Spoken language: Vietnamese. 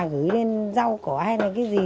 gửi lên rau cỏ hay là cái gì